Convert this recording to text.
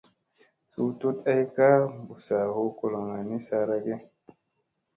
Suu tuɗ ay kaa bussa hu goloŋga ni saara ge ?